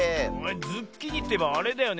ズッキーニっていえばあれだよね。